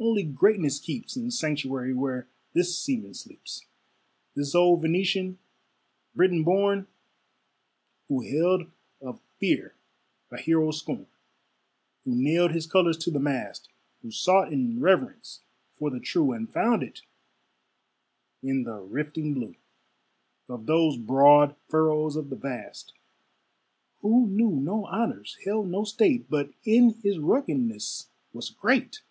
only greatness keeps Its sanctuary where this seaman sleeps; This old Venetian, Briton born, Who held of fear a hero's scorn, Who nailed his colors to the mast, Who sought in reverence for the true, And found it in the rifting blue Of those broad furrows of the vast: Who knew no honors, held no state, But in his ruggedness was great.